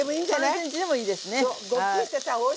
３ｃｍでもいいですね。